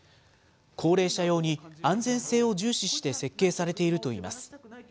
高齢者用に安全性を重視して設計されているといいます。